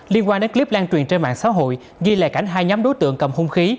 liên quan đến clip lan truyền trên mạng xã hội ghi lại cảnh hai nhóm đối tượng cầm hung khí